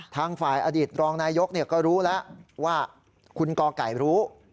ทางฝ่ายอดีตรองนายกก็รู้แล้วว่าคุณกไก่รู้